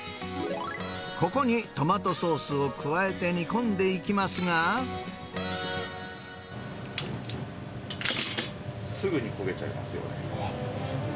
ここにトマトソースを加えて煮込すぐに焦げちゃいますよね。